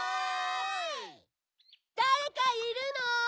・だれかいるの？